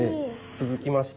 続きまして。